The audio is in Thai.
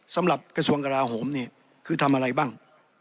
สำหรับกระทรวงกราโหมเนี่ยคือทำอะไรบ้าง